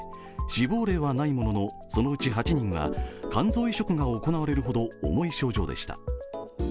死亡例はないもののそのうち８人は肝臓移植が行われるほど重い症状でした。